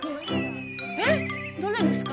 えっどれですか？